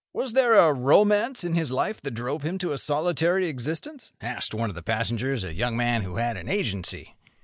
"Was there a romance in his life that drove him to a solitary existence?" asked one of the passengers, a young man who had an Agency.